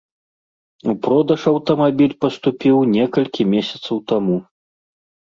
У продаж аўтамабіль паступіў некалькі месяцаў таму.